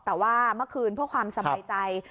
แต่ว่าเมื่อคืนเพื่อความสบายใจ